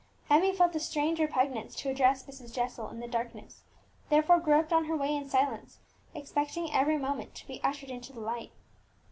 Emmie felt a strange repugnance to address Mrs. Jessel in the darkness, therefore groped on her way in silence, expecting every moment to be ushered into the light.